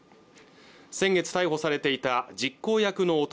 先月逮捕されていた実行役の男